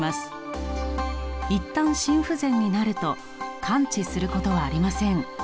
一旦心不全になると完治することはありません。